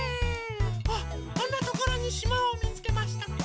あっあんなところにしまをみつけました。